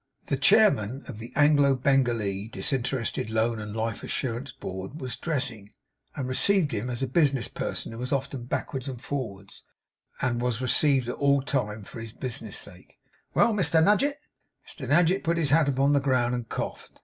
The chairman of the Anglo Bengalee Disinterested Loan and Life Assurance Board was dressing, and received him as a business person who was often backwards and forwards, and was received at all times for his business' sake. 'Well, Mr Nadgett?' Mr Nadgett put his hat upon the ground and coughed.